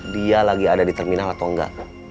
dia lagi ada di terminal atau enggak